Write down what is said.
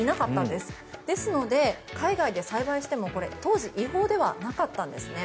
ですので、海外で栽培しても当時は違法ではなかったんです。